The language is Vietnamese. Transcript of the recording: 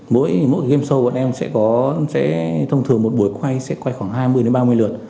mỗi mỗi game show bọn em sẽ có sẽ thông thường một buổi quay sẽ quay khoảng hai mươi đến ba mươi lượt